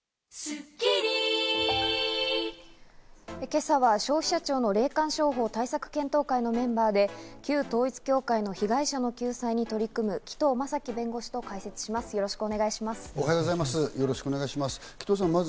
今朝は消費者庁の霊感商法対策検討会のメンバーで、旧統一教会の被害者の救済に取り組む紀藤正樹弁護士と解説してまいります、よろしくお願いします。